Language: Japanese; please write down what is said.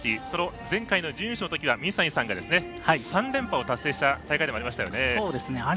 その前回の準優勝のときは水谷さんが３連覇を達成した大会でもありますね。